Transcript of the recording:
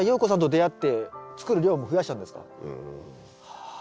はあ。